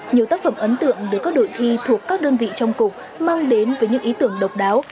nhiều tác phẩm ấn tượng được các đội thi thuộc các đơn vị trong cục mang đến với những ý tưởng độc đáo